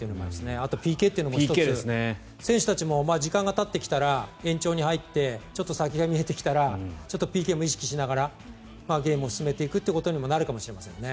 あとＰＫも１つ選手たちも時間がたってきたら延長に入ってちょっと先が見えてきたらＰＫも意識しながらゲームを進めていくということにもなるかもしれませんね。